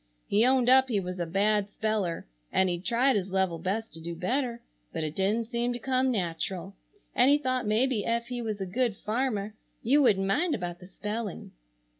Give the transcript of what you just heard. He owned up he was a bad speller and he'd tried his level best to do better but it didn't seem to come natural, and he thought maybe ef he was a good farmer you wouldn't mind about the spelling.